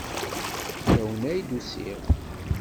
Fell-awen ay d-usiɣ.